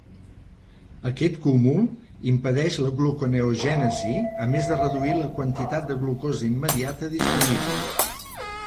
Aquest cúmul impedeix la gluconeogènesi, a més de reduir la quantitat de glucosa immediata disponible.